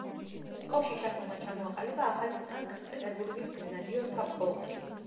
ფსკოვში ჩასულმა ჩამოაყალიბა ახალი „სანკტ-პეტერბურგის გრენადიორთა პოლკი“.